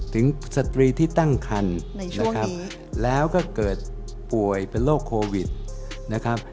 สตรีที่ตั้งคันนะครับแล้วก็เกิดป่วยเป็นโรคโควิดนะครับ